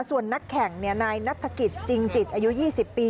ส่วนนักแข่งนายนัฐกิจจริงจิตอายุ๒๐ปี